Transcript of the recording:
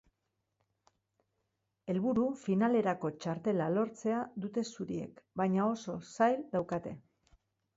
Helburu finalerako txartela lortzea dute zuriek, baina oso zail daukate.